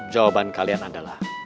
jawaban kalian adalah